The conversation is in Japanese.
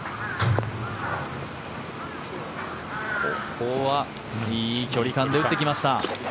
ここはいい距離感で打ってきました。